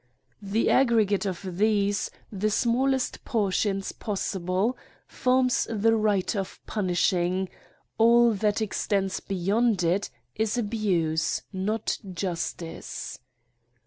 The aggregate of these, the smallest portions possible, forms the right of punishing; all that extends beyond this, is abuse, not justice.